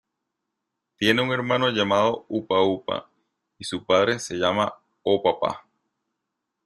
Tiene un hermano llamado Upa Upa, y su padre se llama O-Papa.